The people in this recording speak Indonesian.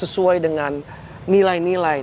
sesuai dengan nilai nilai